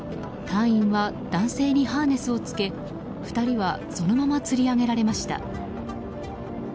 隊員は男性にハーネスをつけ２人はそのままつり上げられました。